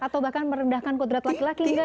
atau bahkan merendahkan kodrat laki laki